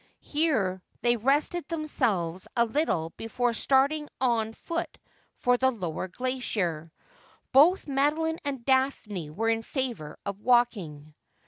Here they rested themselves 328 Asphodel. a little before starting on foot for the lower glacier. Both Madeline and Daphne were in favour of walking.